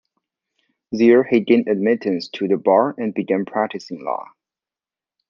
There he gained admittance to the bar and began practicing law.